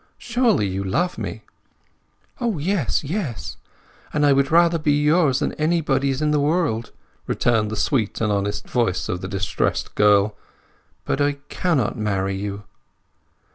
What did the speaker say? Surely you love me?" "O yes, yes! And I would rather be yours than anybody's in the world," returned the sweet and honest voice of the distressed girl. "But I cannot marry you!"